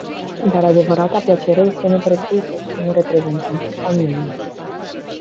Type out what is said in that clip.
Dar adevărata plăcere este neprețuită spun reprezentanții familiei.